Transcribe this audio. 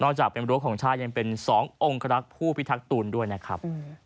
จากเป็นรั้วของชาติยังเป็น๒องครักษ์ผู้พิทักษ์ตูนด้วยนะครับ